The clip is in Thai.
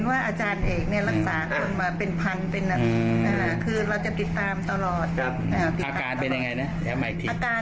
อาการมันปวดข้างหลังแล้วลงขา